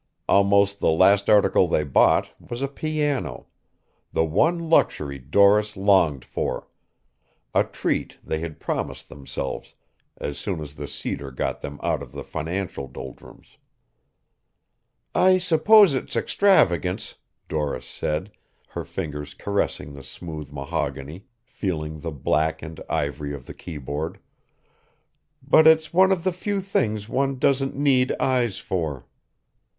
Almost the last article they bought was a piano, the one luxury Doris longed for, a treat they had promised themselves as soon as the cedar got them out of the financial doldrums. "I suppose it's extravagance," Doris said, her fingers caressing the smooth mahogany, feeling the black and ivory of the keyboard, "but it's one of the few things one doesn't need eyes for."